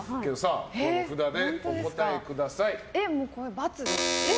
札でお答えください。×です！